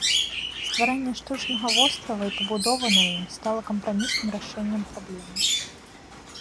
Стварэнне штучнага вострава і пабудовы на ім стала кампрамісным рашэннем праблемы.